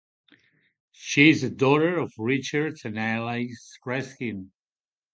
She is the daughter of Richard and Elise Resnik.